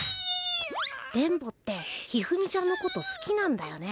電ボって一二三ちゃんのことすきなんだよね？